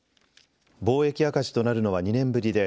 貿易赤字となるのは２年ぶりで